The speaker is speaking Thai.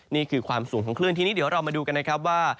นี่คือความสูงของคลื่นทีนี้เดี๋ยวเรามาดูกันนะครับว่า